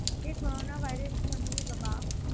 کہ corona virus کی عالمی وبا